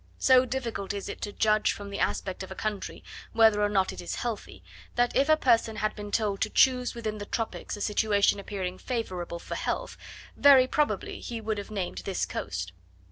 So difficult is it to judge from the aspect of a country, whether or not it is healthy, that if a person had been told to choose within the tropics a situation appearing favourable for health, very probably he would have named this coast.